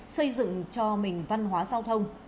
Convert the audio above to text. xây dựng cho mình văn hóa giao thông